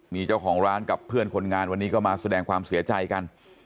มีเจ้าของร้านกับเพื่อนคนงานวันนี้ก็มาแสดงความเสียใจกัน